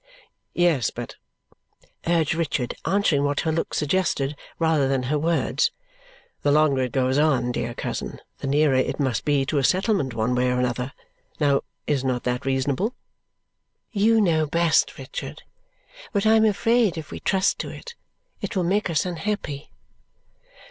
"Yes, but," urged Richard, answering what her look suggested rather than her words, "the longer it goes on, dear cousin, the nearer it must be to a settlement one way or other. Now, is not that reasonable?" "You know best, Richard. But I am afraid if we trust to it, it will make us unhappy."